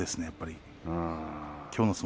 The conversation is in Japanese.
やっぱり。